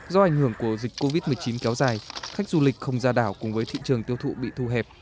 do ảnh hưởng của dịch covid một mươi chín kéo dài khách du lịch không ra đảo cùng với thị trường tiêu thụ bị thu hẹp